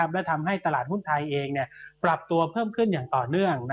และทำให้ตลาดหุ้นไทยเองปรับตัวเพิ่มขึ้นอย่างต่อเนื่อง